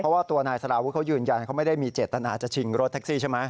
เพราะว่าตัวนายสารวุฒิเขายืนยันเขาไม่ได้มีเจตนาจะชิงรถแท็กซี่ใช่ไหม